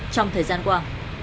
trong thời gian qua